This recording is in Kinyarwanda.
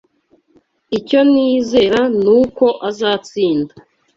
Icyo nizera nuko azatsinda.